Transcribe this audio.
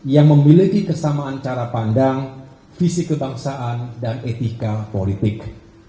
yang memiliki kesamaan cara pandang visi kebangsaan dan etika politik